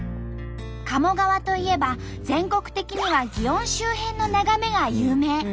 鴨川といえば全国的には園周辺の眺めが有名。